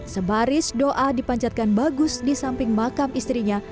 sebaris doa dipancatkan bagus di samping makam istrinya